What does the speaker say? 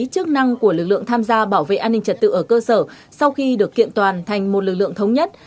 chức năng của lực lượng tham gia bảo vệ an ninh trật tự ở cơ sở sau khi được kiện toàn thành một lực lượng thống nhất